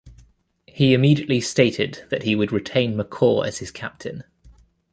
He immediately stated that he would retain McCaw as his captain.